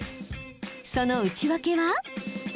その内訳は？